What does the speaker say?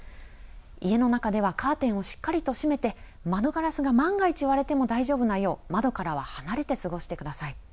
家の中ではカーテンをしっかりと閉めて窓ガラスが万が一割れても大丈夫なよう窓からは離れて過ごしてください。